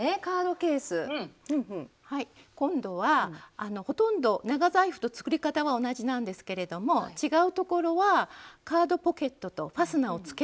今度はほとんど長財布と作り方は同じなんですけれども違うところはカードポケットとファスナーをつけないというところです。